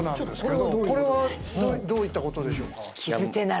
これはどういったことでしょうか。